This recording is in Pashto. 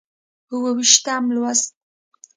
اووه ویشتم لوست